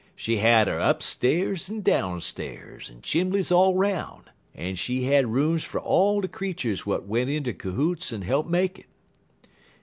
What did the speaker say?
She had er upsta'rs en downsta'rs, en chimbleys all 'roun', en she had rooms fer all de creeturs w'at went inter cahoots en hope make it.